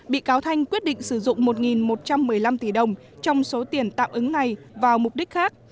bị cáo thanh quyết định sử dụng một một trăm một mươi năm tỷ đồng trong số tiền tạm ứng này vào mục đích khác